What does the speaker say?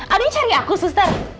adi cari aku suster